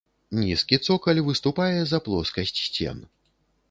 Нізкі цокаль выступае за плоскасць сцен.